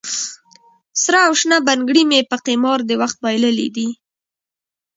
سره او شنه بنګړي مې په قمار د وخت بایللې دي